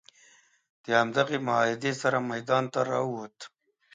د همدغې معاهدې سره میدان ته راووت.